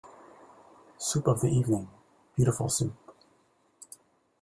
Soup of the evening, beautiful soup!